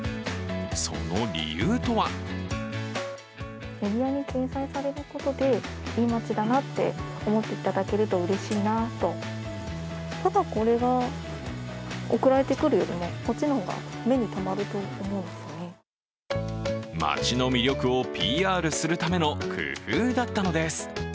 その理由とは町の魅力をＰＲするための工夫だったのです。